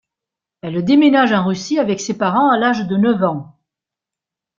Elle déménage en Russie avec ses parents à l'âge de neuf ans.